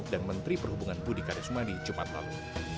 dan menteri perhubungan budi kadesumadi cepat lalu